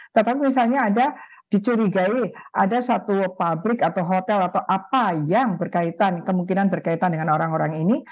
tetapi misalnya ada dicurigai ada satu pabrik atau hotel atau apa yang berkaitan kemungkinan berkaitan dengan orang orang ini